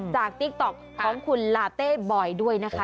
ติ๊กต๊อกของคุณลาเต้บอยด้วยนะคะ